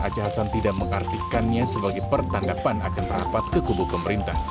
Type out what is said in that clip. aca hasan tidak mengartikannya sebagai pertanda pan agen rapat ke kubu pemerintah